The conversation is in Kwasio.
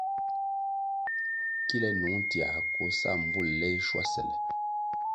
Kile nung tiãh koh sa mbvul le schuasele.